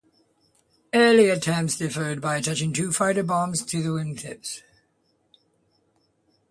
Early attempts differed by attaching two fighters to the bomber's wingtips.